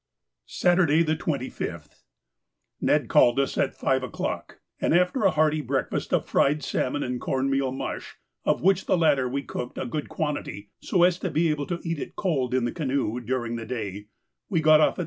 Saturday, the 25th.—Ned called us at five o'clock, and, after a hearty breakfast of fried salmon and corn meal mush, of which latter we cooked a good quantity so as to be able to eat it cold in the canoe during the day, we got off at 7.